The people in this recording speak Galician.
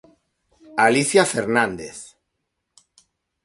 Alicia Fernández.